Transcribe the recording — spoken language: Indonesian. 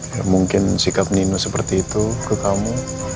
ya mungkin sikap nino seperti itu ke kamu